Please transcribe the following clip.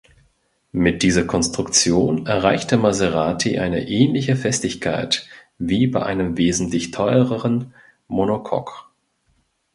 Mit dieser Konstruktion erreichte Maserati eine ähnliche Festigkeit wie bei einem wesentlich teureren Monocoque.